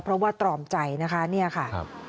เพราะว่าตรอมใจนะคะเนี่ยค่ะ